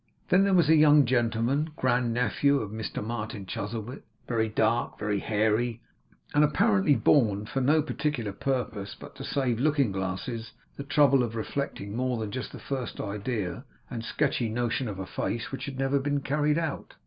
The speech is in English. Then there was a young gentleman, grandnephew of Mr Martin Chuzzlewit, very dark and very hairy, and apparently born for no particular purpose but to save looking glasses the trouble of reflecting more than just the first idea and sketchy notion of a face, which had never been carried out.